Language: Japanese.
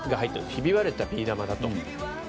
ひび割れたビー玉だと。